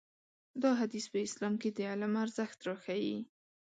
دا حديث په اسلام کې د علم ارزښت راښيي.